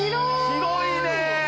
広いね！